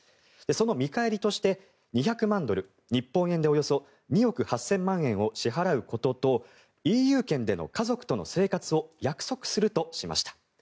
その見返りとして２００万ドル日本円でおよそ２億８０００万円を支払うこととＥＵ圏での家族との生活を約束するとしました。